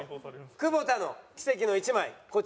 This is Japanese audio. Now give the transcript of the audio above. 久保田の奇跡の１枚こちら。